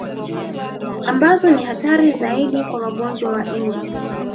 Ambazo ni hatari zaidi kwa wagonjwa wa ini